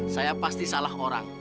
saya pasti salah orang